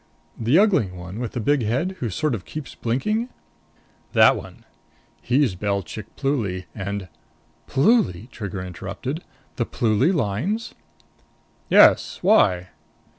"The ugly one with the big head who sort of keeps blinking?" "That one. He's Belchik Pluly and " "Pluly?" Trigger interrupted. "The Pluly Lines?" "Yes. Why?"